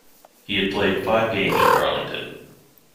He had played five games for Darlington.